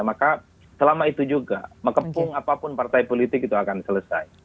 maka selama itu juga mengepung apapun partai politik itu akan selesai